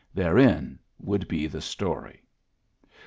Therein would be the story.